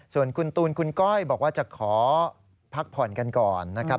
ส่วนคุณตูนคุณก้อยบอกว่าจะขอพักผ่อนกันก่อนนะครับ